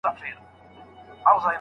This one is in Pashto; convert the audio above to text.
کوم حالت تر کتلو او لمسولو لوړ دی؟